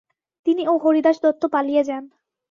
তিনি ও হরিদাস দত্ত পালিয়ে যান।